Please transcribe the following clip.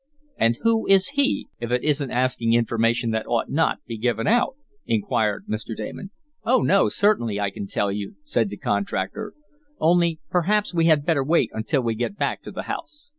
"And who is he, if it isn't asking information that ought not be given out?" inquired Mr. Damon. "Oh, no, certainly. I can tell you," said the contractor. "Only perhaps we had better wait until we get back to the house.